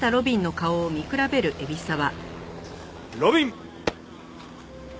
路敏！